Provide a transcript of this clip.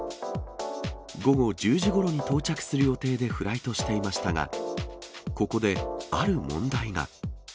午後１０時ごろに到着する予定でフライトしていましたが、ここである問題が。